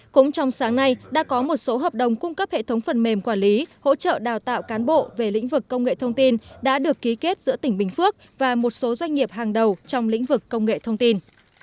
cũng trong sáng nay đã có một số hợp đồng cung cấp hệ thống phần mềm quản lý hỗ trợ đào tạo cán bộ về lĩnh vực công nghệ thông tin đã được ký kết giữa tỉnh bình phước và một số doanh nghiệp hàng đầu trong lĩnh vực công nghệ thông tin